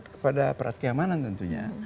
kepada perat kiamanan tentunya